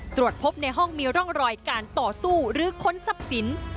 ตรวจพบในห้องมีร่องรอยการต่อสู้หรือค้นทรัพย์สิน